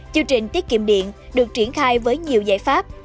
chương trình tiết kiệm điện được triển khai với nhiều giải pháp